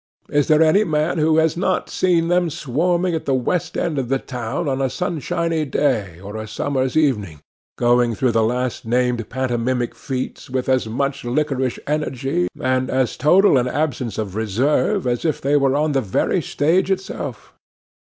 Is there any man who has not seen them swarming at the west end of the town on a sunshiny day or a summer's evening, going through the last named pantomimic feats with as much liquorish energy, and as total an absence of reserve, as if they were on the very stage itself?